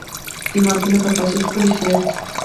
جوماتونه په کاشي ښکلي شوي.